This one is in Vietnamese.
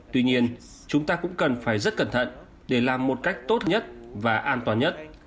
tuy nhiên chúng ta cũng cần phải rất cẩn thận để làm một cách tốt nhất và an toàn nhất